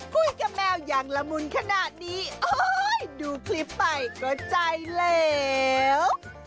กับแมวอย่างละมุนขนาดนี้โอ้ยดูคลิปไปก็ใจเหลว